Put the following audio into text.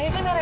ya kan nara